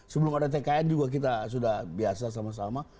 sebelum ada tkn juga kita sudah biasa sama sama